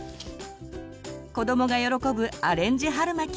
子どもが喜ぶアレンジ春巻。